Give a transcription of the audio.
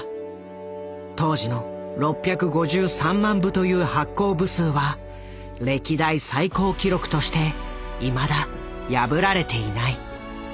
当時の６５３万部という発行部数は歴代最高記録としていまだ破られていない。